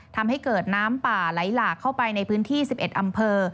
ทำให้เกิดน้ำป่าไหลหลากเข้าไปในพื้นที่๑๑อำเภอ